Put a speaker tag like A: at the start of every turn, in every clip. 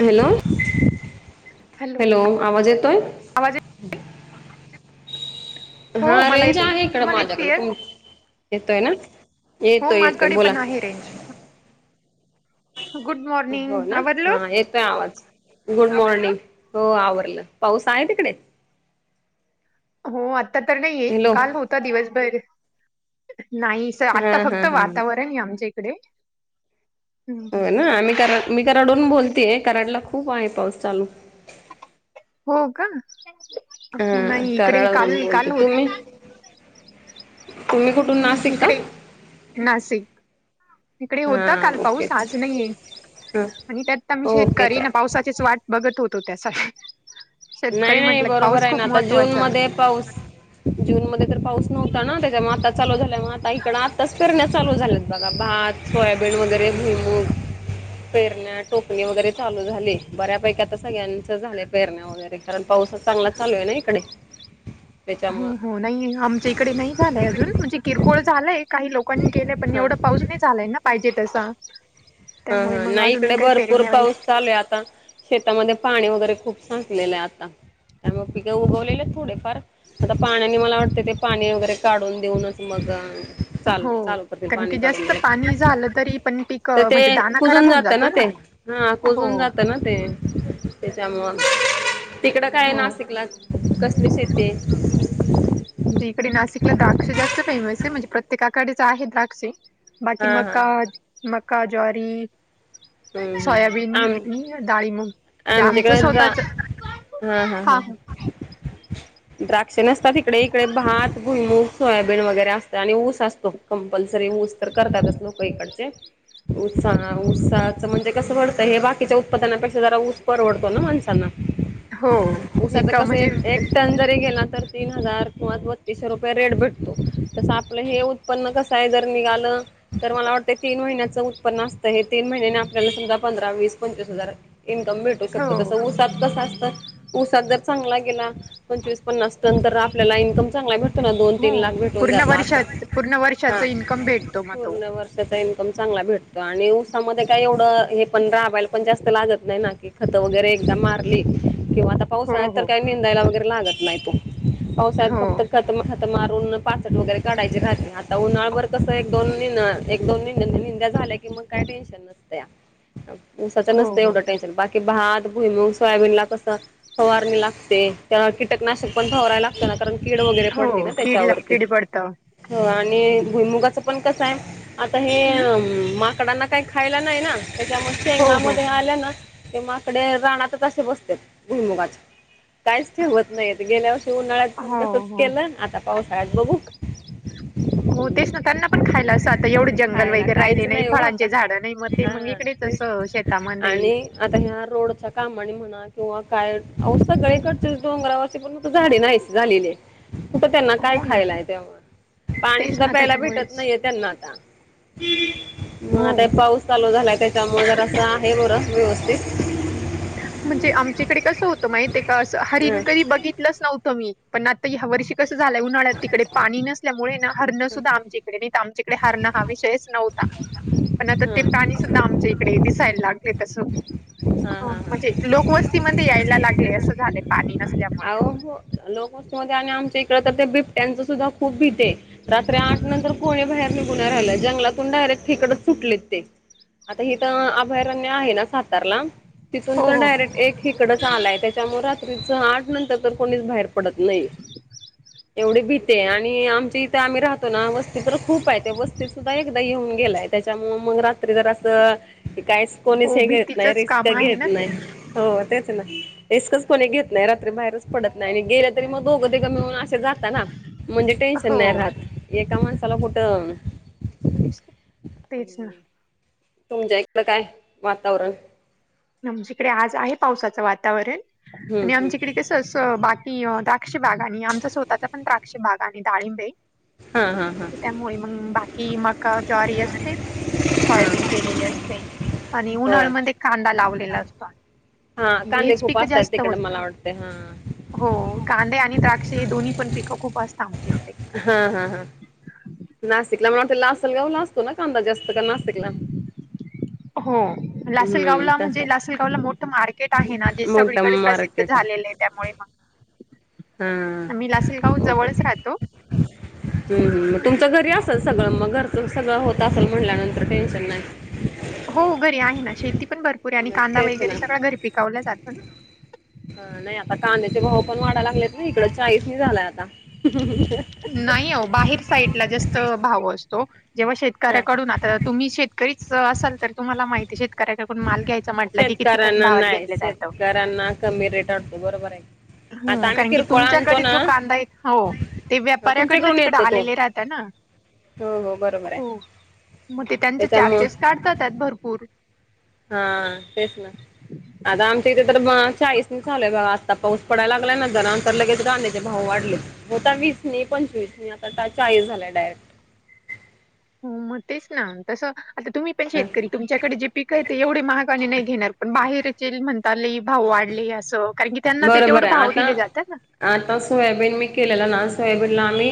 A: Hello hello आवाज येतोय
B: आवाज येत-
A: हा
B: हो मला
A: रेंज
B: येते
A: आहे इकडं
B: तुम्हाला येत
A: माझ्याकडं
B: क्लिअर
A: तुम् येतोय ना
B: हो
A: येतोय येतोय
B: माझ्याकडे
A: बोला
B: पण आहे रेंज गुड
A: हो
B: मॉर्निंग
A: ना
B: आवरलं
A: हा येतोय आवाज गुड मॉर्निंग हो आवरलं पाऊस आहे तिकडे
B: हो आत्ता तर नाहीये
A: हॅलो
B: काल होता दिवसभर नाही सर
A: हा
B: आता
A: हा
B: फक्त
A: हा
B: वातावरण आहे आमच्या इकडे हम्म.
A: होय ना आम्हीड मी कराडून बोलतेय कराडला खूप आहे पाऊस चालू
B: हो का
A: हा
B: नाही इकडे काल
A: कराडावरून बोलते
B: काल होत
A: तुम्ही तुम्ही कुठून
B: हम्म
A: नाशिक का
B: इकडे नाशिक इकडे
A: हा
B: होता काल पाऊस
A: ओकेच
B: आज नाही
A: ह
B: आणि त्यातता मी
A: ओके
B: शेतकी ना
A: चालेल
B: पावसाचीच वाट बघत होतो त्यासाठी शेतकरी
A: नाही नाही
B: म्हटलं की
A: बरोबर
B: पाऊस
A: आहे ना
B: खूप
A: आता जून
B: महत्त्वाचा
A: मध्ये पाऊस जून मध्ये तर पाऊस नव्हता ना ग आता लू झालं म आता इकड आताचेरण्या चाल झाल्या बघा भात सोयाबीन वगैरे भिईमूग पेरण्या टोपणी वगैरे चालू झाली बऱ्यापैकी आता सगळ्यांच झाले पेरण्या वगैरे कारण पाऊस चांगला चालू आहे ना इकडे
B: हो
A: त्याच्यामुळं
B: हो नाही आमच्या इकडे नाही झालंय अजून म्हणजे किरकोळ झालाय काही लोक कोण केलंय पण
A: हा
B: एवढा पाऊस नाही झालाय ना पाहिजे तस
A: हा हा नाही इकडे भरपूर पाऊस चालू आता शेतामध्ये पाणी वगैरे खूप संकलेलं आहे आता. त्यामुळे पिकं उगवलेले थोडे फार. आता पाण्याने मला वाटते ते पाणी वगैरे काढून देऊनच मग चालू
B: हो
A: चालू करतील
B: कारण
A: पाणी
B: की
A: काढून
B: जास्त पाणी झालं तरी पण पिक
A: तर
B: म्ह
A: ते कुजून जात ना ते हा
B: हो.
A: कुजून जात ना ते. त्याच्यामुळ तिकड काय
B: हो.
A: नाशिकला कसली शेती?
B: म्हणजे इकडे नाशिकला द्राक्ष जास्त फेमस आहे म्हणजे प्रत्येक आकडीच आहे दाक्षी. बाकी
A: हा हा हा
B: मका मका, ज्वारी.
A: हम्म
B: सोयाबीन
A: हम्म आम
B: आणि डाळींब मग म्हणजे आमचं स्वतःच
A: हम् हम्
B: हा.
A: हम ह. द्राक्ष नसतात इकडे, इकडे भात भुईमूग सोयाबीन वगैरे असत आणि ऊस असतो कंपल्सरी ऊस. तर करतातच लोक इकडचे उस उसात म्हणजे कसं भडतं. हे बाकीच्या उत्पादनापेक्षा जरा ऊस परवडतो ना माणसांना.
B: हो.
A: उसाच
B: एक
A: कस
B: म्हणजे
A: एक टन जरी गेला. तर तीन हजार किंवा बत्तीसशे रुपये रेट भेटतो. तसं आपलं हे उत्पन्न कसं आहे. जर निघालं तर मला वाटतं तीन महिन्याच उत्पन्न असतं हे तीन तीन महिन्याने आपल्यालामधा पंधरा वीस पंचवीस हजार इन्कम भेटू शकते. तस
B: हो.
A: ऊसात कस असतं उऊसात जर चांगला गेला पंचवीस प् असत तर आपला इन्कम चांगला भटत. दोन
B: हो
A: तीन लाख भेटून
B: पूर्ण
A: जात आता.
B: वर्षात पूर्ण
A: हा
B: वर्षाचा इन्कम भेटतो मग तो.
A: पूर्ण वर्षाचा इन्कम चांगला भेटतो आणि उसामध्ये का एवढ हे पंधराला पण जास्त लागत नाही ना? खत वगैरे एकदा मारली किंवा आता
B: हो
A: पाऊस आहे तर
B: हो.
A: काही मेंदायला वगैरे लागत नाही तो. पावसाळ्या
B: हो
A: फक्त खतम तर मारूनन पाचट वगैरे काढायचे रात. आता उन्हाळभर कसं एक दोन एक दोन मिंद्या झा झाले की मग काय टेनशन नसाच
B: हो
A: नसत.
B: हो
A: एवढं टेन्शन बाकी भात भुईमूग, सोयाबीनला कस फवारणी लागते. कीटकनाशक पण फवारयला लागत ना कारण कीड वगैरे पडते ना
B: हो कीड ला
A: त्याच्यावरती.
B: कीड पडतं
A: आणि भुईमुगाच पण कस आहे. आता
B: हम्म
A: हे माकडांना काही खायला नाही ना त्याच्यामुळे
B: हो हो.
A: शेंगामध्ये आल्या ना? ते माकडे रानातच असे बसतात भुईमुगात काहीच ठेवत नाहीय. गेल्या वर्षी उन्हाळ्यात पण
B: हो
A: तसच
B: हो.
A: केलं आता पावसाळ्यात बघू.
B: हो तेच ना त्यांना पण खायला असं आता एवढे जंगल
A: खायला
B: वगैरे
A: काहीच
B: राहिले नाही.
A: हो आता
B: फळांचे झाड नाही मग ते मग
A: हा
B: इकडेच असं शेतामध्ये
A: ह रोडच्या कामाणी म्हणा किंवा काय सगळे कडेचच डोंगरावरचे पण झाडे नाही झालेले. कुठं त्यांना काय
B: हो ना
A: खायलाय तेव्हा? पाणी
B: तेच
A: सुद्धा
B: ना
A: प्यायला भेटत
B: त्याच्यामुळेच
A: नाहीये त्यांना आता. [unintelligible] मग
B: हो.
A: आता पाऊस चालू झालाय. त्याच्यामुळे जर असं आहे बरं व्यवस्थित.
B: म्हणजे आमच्याकडे कसं होतं माहित का? हरीण
A: ह
B: कधी बघितलंच नव्हतं मी पण आता ह्या वर्षी कस झालय उन्हाळ्यात तिकडे पाणी नसल्यामुळे हरण सुद्धा आमच्या इकडे तिकडे हरण हा विषयच नव्हता पण आता
A: हा
B: ते पाणी सुद्धा आमचे इकडे दिसायला लागले तस
A: हा हा हा
B: म्हणजे लोकवस्तीमध्येध्ये यायला लागले. असं झाले पाणी न
A: अह हो लोकवस्ती मध्ये आणि आमच्या इकडे तर ते ब बिबट्यांचं सुद्धा खूप भीती आहे. रात्री आठ नंतर कोणे बाहेर निघून नाही राहील. जंगलातून डायरेक्ट ठिकड च पडले ते. आता हे तर अभयारण्य आहे ना सातारला. तिथून
B: हो
A: तर
B: हो
A: डायरेक्ट एक इिकडंच आलाय त्याच्यामुळे रात्रीच आठ नंतर तर कोणीच बाहेर प पडत नाही एवढे भी ते आणि आमच्या इथे आम्ही राहतो ना वस्ती तर खूप आहे ते वस्तीत सुद्धा एकदा येऊन गेलाय त्यांच्यामुळे रात्री अस काही कोणी
B: हो
A: घेत नाही
B: भीतीचंच
A: रिस्क
B: काम आहे
A: घेत
B: ना ते
A: नाही. हो तेच रिस्कच कोणी घेत नाही. बाहेरच पडत नाही आणि गेल्या तरी मग दोघं तीघं मिळून असे जाता ना. म्हणजे टेन्शन नाही
B: हो
A: राहत एका माणसाला कूट
B: तेच ना.
A: तुमच्या इकड काय वातावरण.
B: आमच्याकडे आज आहे पावसाचं वातावरण
A: हम्म
B: आणि
A: हम्म
B: आमच्याकडे कस बाकीा. द्राक्षी भागा आणि आमच्या स्वतःचा पण त्राक्षी भाग आणि ाळिंबे.
A: हा हा हा
B: त्यामुळे मग बाकी मका ज्वारी असते. सोयाबीन
A: हा
B: केलेली असते आणि
A: होय
B: उन्हाळमध्ये कांदा लावलेला असतो आ्ही.
A: हा कांदे खूप असतात तिकड मला वावटते हा.
B: हो कांदे आणि द्राक्ष हे दोन्ही पण पिकं खूप असतात आमचे.
A: हा ला असल गाऊ ला असतो ना कांदा जास्त का नासिकला.
B: हो लासलगावला म्हणजे लासलगावला मोठं मार्केट आहे ना जे
A: मोठा
B: सगळीकडे प्रसिद्ध
A: मार्केट
B: झा त्यामुळे
A: हा
B: म मी लासलगाव जवळच राहतो.
A: ह मग तुमचं घरी असेल सगळं मग घरचं सगळं होत असेल म्हटल्यानंतर टेन्शन नाही.
B: हो घरी आहे ना शेती पण भरपूर आहे आणि
A: मग
B: कांदा
A: तेच
B: वगैरे सगळं घरी पिकवलं जात ना.
A: ह नाही आता कांद्याचे भाव पण वाढा लागलेत ना इकडं चाळीस नाही झालाय आता.
B: नाही हो बाहेर साईडला जास्त भाव असतो. जेव्हा
A: हा
B: शेतकऱ्याकडून आता तुम्ही शेतकरीच असाल तर तुम्हाला माहिती शेतकऱ्याकडून माल घ्याय.
A: शेतकऱ्यांना नाही शेतकऱ्यांना कमी रेट वाटतो बरोबर आहे. आता
B: हो
A: आम्ही
B: कारण की
A: किरकोळ आणतो
B: तुमच्याकडे जो
A: ना
B: कांदा आहे हो ते व्यापाऱ्याकडन
A: तुमच्याकडून
B: तिकडे
A: येतो तो
B: आलेले राहत ना हा.
A: हो हो बरोबर आहे.
B: मग ते त्यांचे
A: त्याच्यामुळं
B: चार्जेस काढतात भरपूर.
A: हा तेच ना. आता आमच्या इिथे तर चाळीस न लूय आता पाऊस पडाला लागलाय नंतर नंतर लगेच गांध्याचे भाऊ. वीस पंचवीस आता चाळीस झाला डायरेक्ट.
B: [inaudible] मग तेच ना तसं. आता तुम्ही पण शेतकरी तुमच्याकडे जे पिक आहे ते एवढे महागाणी नाही घेणार पण बाहेरचे म्हण. ताली भाव वाढली असं. कारण की त्यांना ते
A: बरोबर
B: तेवढं
A: आहे
B: भाव
A: आता
B: दिले जातात ना
A: आता सोयाबीन मी केलेलं ना सोयाबीनला आम्ही.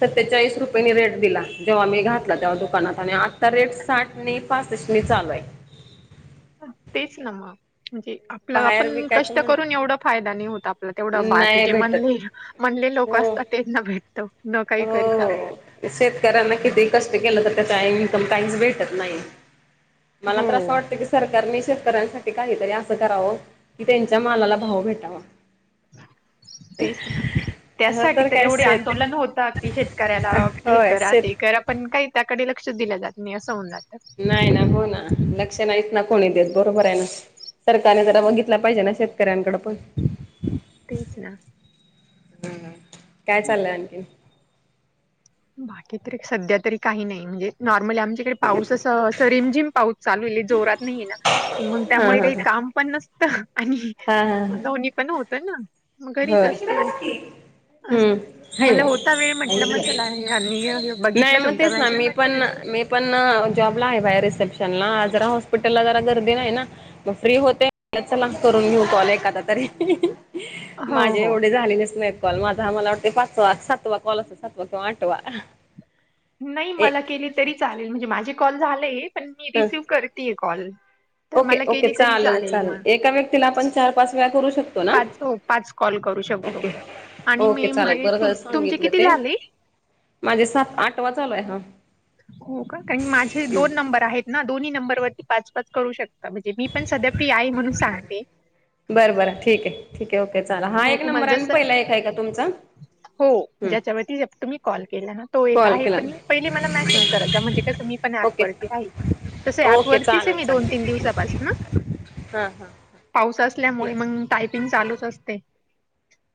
A: सत्तेचाळीस रुपयाेनी रेट दिला जेव्हा मी घातला तेव्हा दुकानात आणि आता रेट साठ न पाच. नी चालू आहे.
B: तेच ना मग. आपलं
A: बाहेर
B: आपण
A: विकायचं
B: कष्ट
A: म्हण
B: करून एवढा फायदा नाही होत आपला तेवढं बाकी
A: नाही
B: जे
A: भेटत
B: म्हणले. लोक
A: हो
B: असतात त्यांना भेट.
A: हो शेतकरऱ्या्यां ना केत कष्ट केला तर. तर का इन्कम टॅक्स भेटत नाही. मला
B: हो
A: त्र असं वाटतं की सरकारने शेतकऱ्यांसाठी काहीतरी असं करावं क. त्यांच्या मालाला भाव भेटावा.
B: तेच ना
A: ह
B: त्यासाठी तर
A: काय
B: एवढे
A: शेत
B: आंदोलन होतात. की शेतकऱ्याला हे
A: होय
B: करा
A: शेत
B: ते करा पण काही त्याकडे लक्ष दिलं जात नाही असं होऊन जात.
A: नाही ना हो ना लक्ष नाही इेत ना कोणी देत बरोबर आहे ना. सरकारने जरा बघितला पाहिजे ना शेतकऱ्यांकडे पण.
B: तीस ना.
A: ह काय चाललं आणखीन.
B: बाकी तरी सध्या तरी काही नाही म्हणजे नॉ. आमच्याकडे पाऊस सरमझीम पाऊस चालू जोरात नाही ना मग
A: हा
B: त्यामुळे
A: हा
B: काही
A: हा
B: काम पण नस. आणि
A: हा हा हा
B: दोन्ही पण होत ना. मग घरीच
A: होय
B: असतो अस मला होता वेळ म्हंटलं म
A: हम्म.
B: चला आहे आणि
A: नाही
B: बघितला
A: मग
B: तुमचा
A: तेच ना
B: मेसेज
A: मी
B: म्हटलं
A: पण
B: की
A: मी पण जॉबला आहे बाया रिसेप्शनला जरा हॉस्पिटलला जरा गर्दी नाही ना मग फ्री होते चला करून घेऊ कॉल एखादा तरी
B: [unintelligible] [inaudible] [unintelligible] [inaudible]
A: माझे
B: हो
A: एवढे झालेलेच नाहीत कॉल माझा आम्हाला वाटते पाचवा सातवा कॉल अस सातवा किंवा आठवा
B: नाही
A: ए
B: मला केली तरी चालेल म्हणजे माझे कॉल झालाय पण मी
A: ह
B: रिसिव्ह करतेय कॉल तर म
A: ओके ओके
B: केली तरी चालेल
A: एका व्यक्तीला आपण चार पाच वेळा करू शकतो ना
B: पाच पाच कॉल करू शकतो
A: ओके
B: आणि
A: ओके
B: मी
A: चालेल बरं झालं सांगितलं ते माझे सात आठवा
B: हो का कारण माझे दोन नंबर आहेत ना दोन्ही नंबरवररती पाच पाच करू शकत म्हणजे मी पण सध्या फ्री आहे म्हणून सांगते
A: बरं बरं ठीक आहे ठीक आहे ओके चाला हा
B: हो,
A: एक
B: तुम्हाला
A: नंबर आहे
B: जसं
A: पहिला एक आहे का तुमचा
B: हो
A: हम्म
B: ज्याच्यावरती तुम्ही कॉल केला ना तो एक
A: कॉल
B: आहे
A: केला
B: पण पहिले मला मेसेज कराय जा म्हणजे कस
A: ओके
B: वती तस प
A: ओके
B: वरतीच आहे मी दोन तीन दिवसापास ना
A: हा हा हा
B: असल्यामुळे मग टायपिंग चालूच असते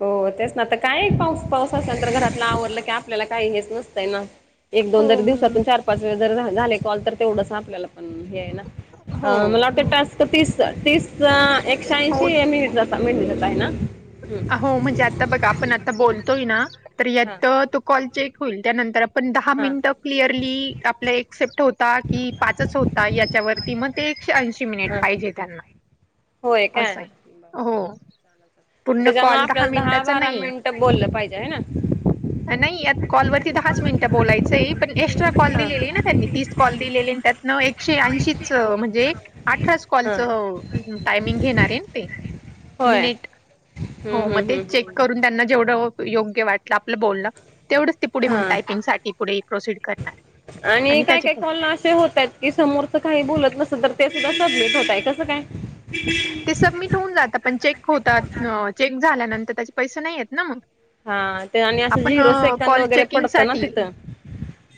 A: हो तेच ना तर काय पाऊस पावस असल्यानंतर घरातला आवडलं की आपल्याला काही हेच नसतंय ना एक दोन जर
B: हो,
A: दिवसातून
B: मग
A: चार पाच वेळ जर झाले कॉल तर तेवढंच आपल्याला पण
B: हो,
A: मला वाटत
B: मग
A: टस् तीस तीस
B: हो
A: एकशऐंशी मी ेट दित आहे ना
B: हो म्हणजे आता बघा आपण आता बोलतोय ना तर
A: हां
B: यात तो कॉल चेक होईल त्यानंतर पण दहा
A: हां
B: मिनिटं क्लिअरली आपला एक्सेप्ट होता की पाचच होता याच्यावरती मग ते एकशे ऐंशी मिनिट
A: हां
B: पाहि
A: होय का
B: हो पूर्ण कॉल दहा
A: आपल्याला
B: मिनिटाचा
A: बारा
B: नाही
A: मिनिटं बोललं पाहिजे आहे ना
B: नाहीत कॉलवररती दहाच मिनिटं बोलायचंय पण एक्स्ट्रा कॉल
A: हां
B: दिलेली आहे ना त्यांनी तीस कॉल दिलेले त्यातनं एकशे ऐंशीच म्हणजे अठराच कॉलच
A: हां
B: टायमिंग घेणार आहे ना ते
A: होय
B: मिनिट हो मग ते चेक करून त्यांना जेवढं योग्य वाटलं आपलं बोललं ते पुढे मग
A: हां
B: टायपिंगसाठीठी पुढे प्रोसीड करणार
A: आणि काय
B: त्याचे
A: काही
B: पैसे
A: कॉल असे होत आहेत की समोरच काही बोलत नस तर ते सुद्धा सबमिट होतय का त काय
B: ते सबमिट होऊन जातात पण चेक होतात चेक झाल्यानंतर त्याचे पैसे नाही आहेत ना मग
A: हा ते आणि असं
B: आपण
A: जीरो सेकंद
B: कॉल
A: वगैरे
B: चेकिंग
A: पडतं ना
B: साठी
A: तिथं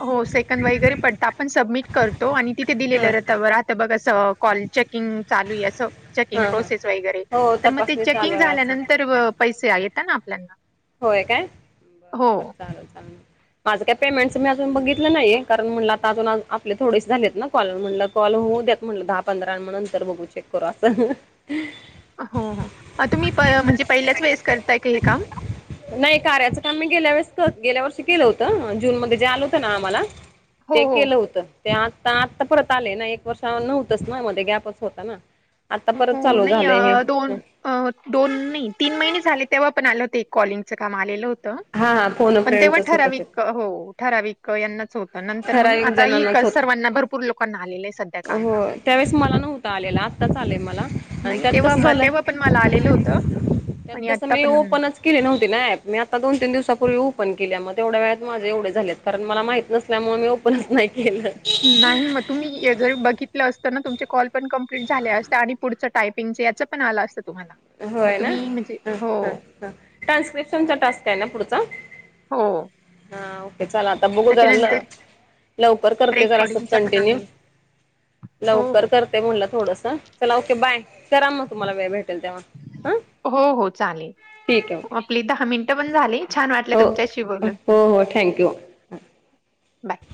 B: हो सेक वगैरे पडत आपण सबमिट करतो आणि तिथे
A: ह
B: दिलेलं रता आता बघा [inaudible] कॉल चेकिंग चालू असं [unintelligible]
A: हा
B: चेकिंग
A: हा
B: प्रोसेस वगैरे
A: हो
B: तर मग ते
A: तपासणी चालू
B: चेकिंग
A: आहे असं
B: झाल्यानंतर पैसे आहेत येत ना आपल्याना [unintelligible]
A: होय काय बर
B: हो
A: बर चालेल चागल [unintelligible] [inaudible] माझं काय पेमेंट मी अजून बघितलं नाहीे कारण म्हणलं आता अजून आपले थोडेसे झालेत ना कॉल म्हटलं कॉल होऊ द्या म्हटलं दहा पंधरा नंतर बघू चेक करू असं
B: हो हो तुम्ही म्हणजे पहिल्याच वेळेस करताय का हे काम
A: नाही कार्याचं काम मी गेल्या वेळेस गेल्या वर्षी केलं होतं जून मध्ये जे आलं होतं ना आम्हाला ते
B: हो हो
A: केलं होतं ते आता आत्ता परत आले ना एक वर्ष नव्हतच ना मध्ये गॅपच होता ना आता परत
B: हो
A: चालू
B: नाही अ
A: झालंय
B: दोन
A: हे
B: अ दोन नाही तीन महिने झाले तेव्हा पण आलं हो ते कॉलिंगच काम आलेलं होत
A: हा हा फोन
B: पण तेव्हा
A: फ्रेंडचच होत ते
B: ठराविक हो ठराविक यांनाच होत नंतर मग
A: ठराविक
B: आता एक
A: जणांनाच होत
B: सर्वांना भरपूर लोकांना आलेलं आहे सध्या काम
A: आत्ता चालेय मला आणि
B: नाही
A: त्यात
B: तेव्हा
A: कसं
B: म
A: झालं
B: तेव्हा पण मला आलेलं होतं
A: त्यात
B: आणि
A: कसं
B: आत्ता
A: मी
B: पण
A: ओपनच केले नव्हती ना ऍप मी आता दोन तीन दिवसाांपूर्वी उप पन केल्या मग तेवढ्या वेळात माझे एवढे झालेत कारण मला माहित नसल्यामुळे मी ओपनच नाही केलं
B: नाही मग तुम्ही ये जर बघितलं असत ना तुमचे कॉल पण कम प्लिट झाले असते आणि पुढच टायपिंगचे याचं पण आलं असतं तुम्हाला. मग
A: होय ना
B: तुम्ही म्हणजे
A: ह
B: हो,
A: ह ह ट्रान्स्क्रिप्शनचा टास्क हाय ना पुढचा
B: अगं
A: ये चला आता बघू जरा ल लवकर करते जरा स
B: रेकॉर्डिंगचा पण
A: कंटिन्यू
B: आहे. हो,
A: लवकर
B: हो.
A: करते म्हणलं थोडस चला ओके बाय करा मग तुम्हाला वेळ भेट
B: हो हो चालेल
A: ठीक आहे
B: आपली दहा मिनट पण झाली छा छान वाटलं
A: ओके
B: तुमच्याशी
A: हो
B: बोलून
A: हो हो थँक्यू
B: बाय